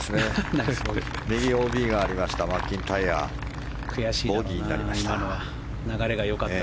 右ＯＢがありましたマッキンタイヤボギーになりました。